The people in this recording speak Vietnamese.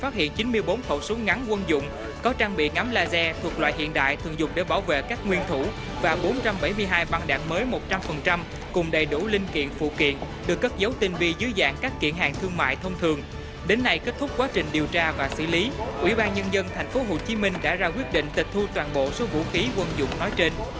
các bạn hãy đăng ký kênh để ủng hộ kênh của chúng mình nhé